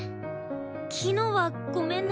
昨日はごめんね。